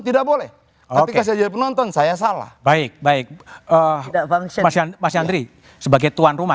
tidak boleh oke jadi penonton saya salah baik baik eh tidak bangsa masyarakat sebagai tuan rumah